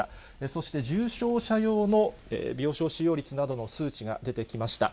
そして、重症者用の病床使用率などの数値が出てきました。